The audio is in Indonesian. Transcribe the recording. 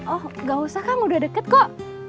oh gak usah kang udah deket kok